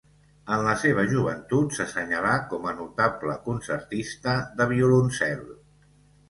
En la seva joventut s'assenyalà com a notable concertista de violoncel.